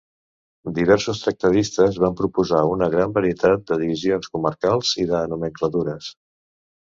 Diversos tractadistes van proposar una gran varietat de divisions comarcals i de nomenclatures.